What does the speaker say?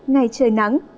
ngày trời nắng